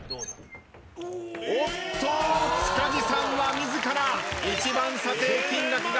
おっと塚地さんは自ら一番査定金額が高いと予想。